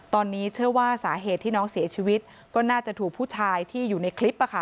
ตอนนี้เชื่อว่าสาเหตุที่น้องเสียชีวิตก็น่าจะถูกผู้ชายที่อยู่ในคลิป